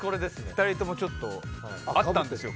２人ともちょっとあったんですよ